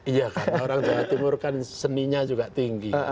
iya karena orang jawa timur kan seninya juga tinggi